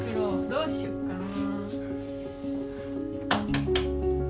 どうしよっかな。